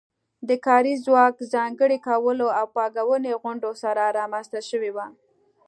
د کاري ځواک ځانګړي کولو او پانګې غونډولو سره رامنځته شوې وه